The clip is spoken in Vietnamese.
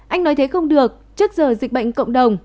anh nói thế không được trước giờ dịch bệnh cộng đồng